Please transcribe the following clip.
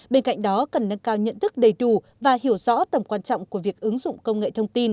bên cạnh đó cần nâng cao nhận thức đầy đủ và hiểu rõ tầm quan trọng của việc ứng dụng công nghệ thông tin